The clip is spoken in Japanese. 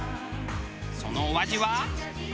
そのお味は？